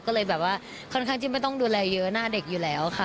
มาว่าค่อนข้างไม่ต้องดูอะไรเยอะหน้าเด็กอยู่แล้วค่ะ